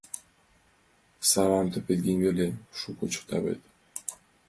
— Савам таптет гын веле, шуко чыта вет.